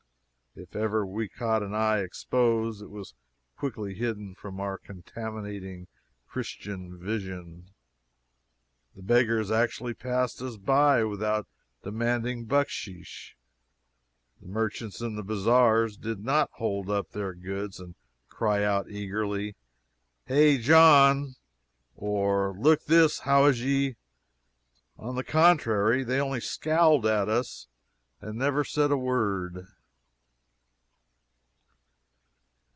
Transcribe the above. If ever we caught an eye exposed it was quickly hidden from our contaminating Christian vision; the beggars actually passed us by without demanding bucksheesh; the merchants in the bazaars did not hold up their goods and cry out eagerly, "Hey, John!" or "Look this, Howajji!" On the contrary, they only scowled at us and said never a word.